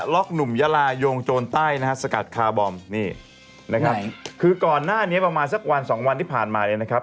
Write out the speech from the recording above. หนุ่มยาลายงโจรใต้นะฮะสกัดคาร์บอมนี่นะครับคือก่อนหน้านี้ประมาณสักวันสองวันที่ผ่านมาเลยนะครับ